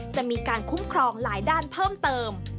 จะมีการคุ้มครองหลายด้านเพิ่มเติม